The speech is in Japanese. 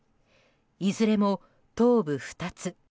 いずれも、頭部２つ。